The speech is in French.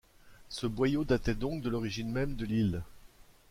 Ce boyau datait donc de l’origine même de l’île.